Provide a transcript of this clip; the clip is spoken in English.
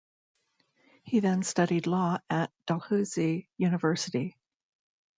He then studied law at Dalhousie University.